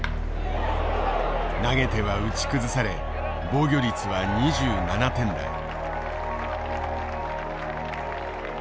投げては打ち崩され防御率は２７点台。